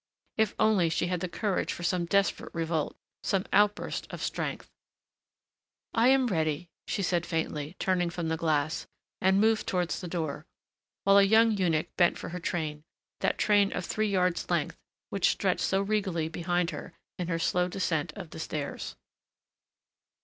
If only she had the courage for some desperate revolt, some outburst of strength "I am ready," she said faintly, turning from the glass, and moved towards the door, while a young eunuch bent for her train, that train of three yards length, which stretched so regally behind her in her slow descent of the stairs.